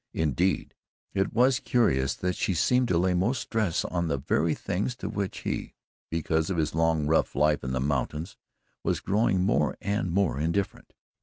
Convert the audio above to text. Indeed, it was curious that she seemed to lay most stress on the very things to which he, because of his long rough life in the mountains, was growing more and more indifferent.